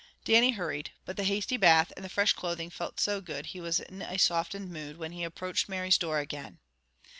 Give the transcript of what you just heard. Dannie hurried. But the hasty bath and the fresh clothing felt so good he was in a softened mood when he approached Mary's door again.